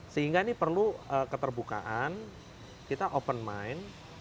sehingga ini perlu keterbukaan kita open mind